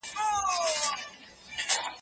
د پوهې رڼا به ټولې تیارې له منځه یوسي.